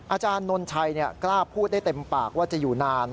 อาจารย์นนชัยกล้าพูดได้เต็มปากว่าจะอยู่นาน